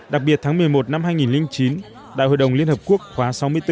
đặc biệt tháng một mươi một năm hai nghìn chín đại hội đồng liên hợp quốc khóa sáu mươi bốn